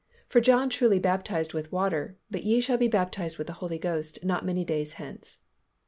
For John truly baptized with water; but ye shall be baptized with the Holy Ghost not many days hence."